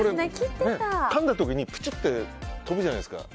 かんだ時にぷちって飛ぶじゃないですか。